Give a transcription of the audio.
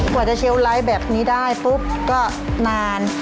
กว่าจะเชลล์แบบนี้ได้ปุ๊บก็นาน